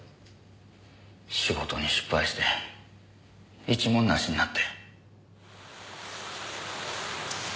仕事に失敗して一文なしになって。